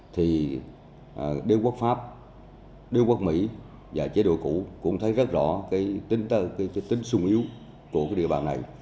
thì đế quốc pháp đưa quốc mỹ và chế độ cũ cũng thấy rất rõ cái tính sung yếu của cái địa bàn này